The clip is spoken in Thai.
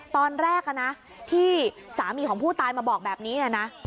ตอนแรกนะที่สามีของผู้ตายมาบอกแบบนี้นะ